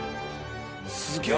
すげえ！